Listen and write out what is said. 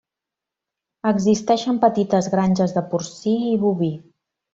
Existeixen petites granges de porcí i boví.